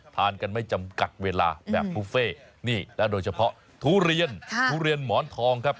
ทานกันไม่จำกัดเวลาแบบบุฟเฟ่นี่แล้วโดยเฉพาะทุเรียนทุเรียนหมอนทองครับ